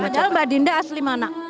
padahal mbak dinda asli mana